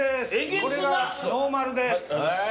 これがノーマルです。